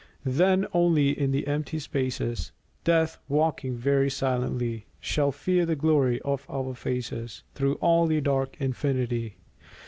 Then only in the empty spaces, Death, walking very silently, Shall fear the glory of our faces Through all the dark infinity.